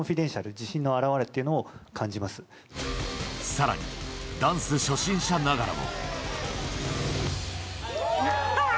さらにダンス初心者ながらも